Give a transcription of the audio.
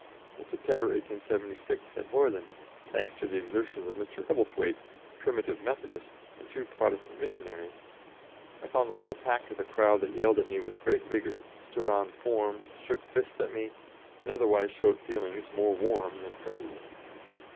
In September, 1876, at Hoyland, thanks to the exertions of Mr. Hebblethwaite, a Primitive Methodist, and two Protestant missionaries, I found the hall packed with a crowd that yelled at me with great vigour, stood on forms, shook fists at me, and otherwise showed feelings more warm than friendly.